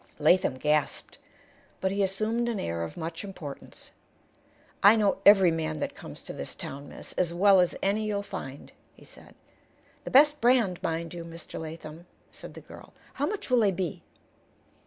Latham gasped, but he assumed an air of much importance. "I know every man that comes to this town, miss, as well as any you'll find," he said. "The best brand, mind you, Mr. Latham," said the girl. "How much will they be?"